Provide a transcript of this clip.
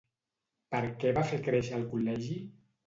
Per què va fer créixer el col·legi?